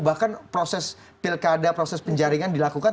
bahkan proses pilkada proses penjaringan dilakukan